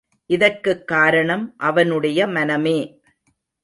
இதற்குக் காரணம் அவனுடைய மனமே.